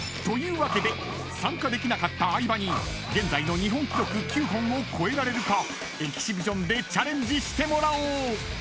［というわけで参加できなかった相葉に現在の日本記録９本を超えられるかエキシビションでチャレンジしてもらおう］